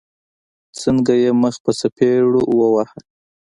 څنګه يې مخ په څپېړو واهه.